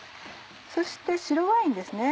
そして白ワインですね。